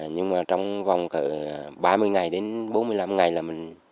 nhưng mà trong vòng cỡ ba mươi ngày đến bốn mươi năm ngày là mình